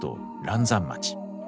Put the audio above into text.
嵐山町。